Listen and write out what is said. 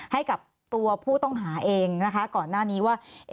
ให้กับตัวผู้ต้องหาเองนะคะก่อนหน้านี้ว่า